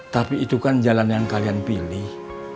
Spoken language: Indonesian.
tapi itu kan jalan yang kalian pilih